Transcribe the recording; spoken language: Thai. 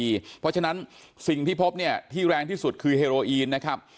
เพราะฉะนั้นสิ่งที่พบเนี่ยที่แรงที่สุดคือเฮโรอีนนะครับ